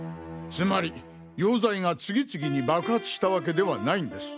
つまり溶剤が次々に爆発したわけではないんです。